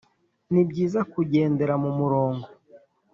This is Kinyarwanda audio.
nibyiza kugendera mumurongo